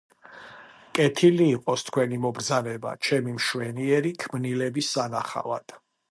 კეთილი იყოს თქვენი მობრძანება ჩემი მშვენიერი ქმნილების სანახავად.